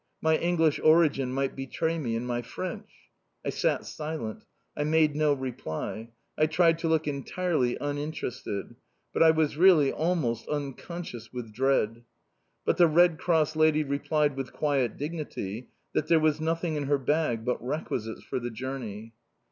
My English origin might betray me in my French. I sat silent. I made no reply. I tried to look entirely uninterested. But I was really almost unconscious with dread. But the Red Cross lady replied with quiet dignity that there was nothing in her bag but requisites for the journey.